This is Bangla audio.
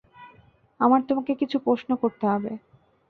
আমার তোমাকে কিছু প্রশ্ন করতে হবে।